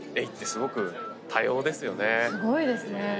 すごいですね。